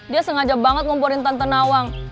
dia sengaja banget ngumpulin tante nawang